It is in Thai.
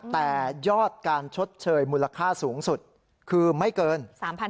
แต่ยอดการชดเชยมูลค่าสูงสุดคือไม่เกิน๓๐๐